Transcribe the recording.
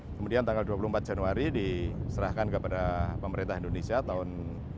kemudian tanggal dua puluh empat januari diserahkan kepada pemerintah indonesia tahun